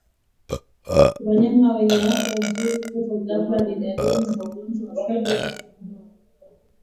Wanyama wenye afya nzuri kufa ghafla ni dalili za ugonjwa wa figo za kondoo